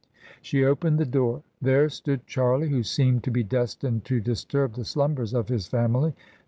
She opened the door. There stood Charlie, who seemed to be destined to disturb the slumbers of his family.